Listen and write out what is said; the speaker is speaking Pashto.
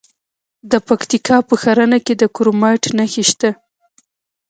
د پکتیکا په ښرنه کې د کرومایټ نښې شته.